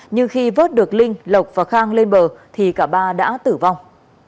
nhưng khi vớt được linh lộc và khang lên bờ thì cả ba đã tử vong